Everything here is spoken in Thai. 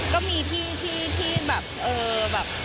ก็มีที่ที่แบบเอ่อ